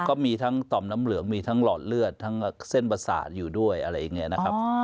ก็มีทั้งต่อมน้ำเหลืองมีทั้งหลอดเลือดทั้งเส้นประสาทอยู่ด้วยอะไรอย่างนี้นะครับ